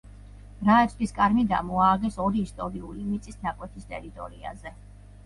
რაევსკის კარ-მიდამო ააგეს ორი ისტორიული მიწის ნაკვეთის ტერიტორიაზე.